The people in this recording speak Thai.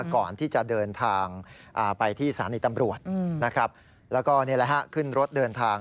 ก่อนที่จะเดินทางไปที่สถานีตำรวจนะครับแล้วก็นี่แหละฮะขึ้นรถเดินทาง